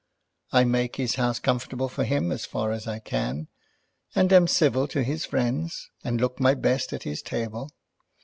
I make his house comfortable for him as far as I can, and am civil to his friends, and look my best at his table.